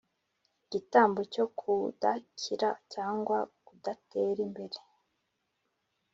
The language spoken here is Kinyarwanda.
Igitambo cyo kudakira cyangwa kudatera imbere